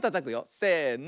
せの。